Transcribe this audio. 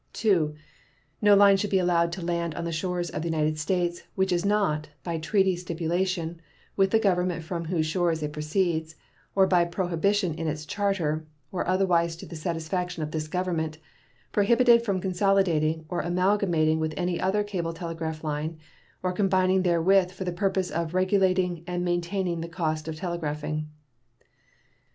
II. No line should be allowed to land on the shores of the United States which is not, by treaty stipulation with the government from whose shores it proceeds, or by prohibition in its charter, or otherwise to the satisfaction of this Government, prohibited from consolidating or amalgamating with any other cable telegraph line, or combining therewith for the purpose of regulating and maintaining the cost of telegraphing.